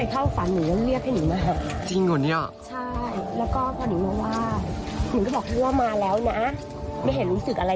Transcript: ถูกเหรอ